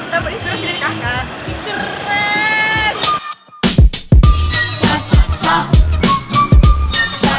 rambutnya sebenernya sendiri kakak